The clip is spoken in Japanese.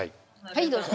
はいどうぞ。